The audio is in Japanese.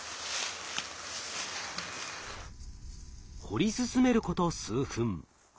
掘り進めること数分。